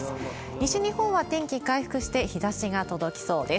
西日本は天気回復して、日ざしが届きそうです。